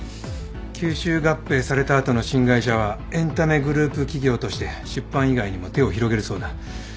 吸収合併された後の新会社はエンタメグループ企業として出版以外にも手を広げるそうだ。